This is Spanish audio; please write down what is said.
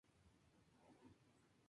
La nueva terapia trabaja en dos fases.